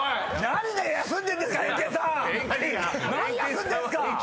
何休んでんすか⁉